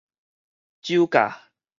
酒駕